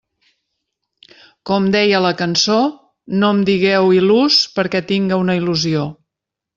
Com deia la cançó, no em digueu il·lús perquè tinga una il·lusió.